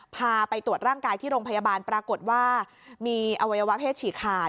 พาไปตรวจร่างกายที่โรงพยาบาลปรากฏว่ามีอวัยวะเพศฉี่ขาด